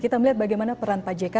kita melihat bagaimana peran pak jk